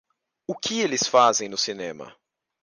O que eles fazem no cinema?